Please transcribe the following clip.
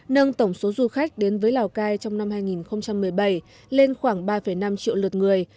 nâng tổng số du khách đến với lào cai trong năm hai nghìn một mươi bảy lên khoảng ba năm triệu lượt người